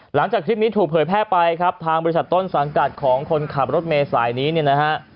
หลังจากคลิปนี้ถูกเผยแพร่ไปครับทางบริษัทต้นสังกัดของคนขับรถเมษายนี้เนี่ยนะฮะ